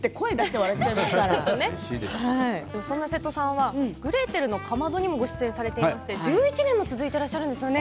そんな瀬戸さんは「グレーテルのかまど」にも出演されていて１１年も続いてらっしゃるんですね。